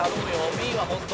Ｂは本当。